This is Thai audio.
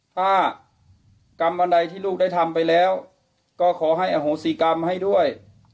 ถ้ากรรมอันใดที่ลูกได้ทำไปแล้วก็ขอให้อโหสิกรรมให้ด้วย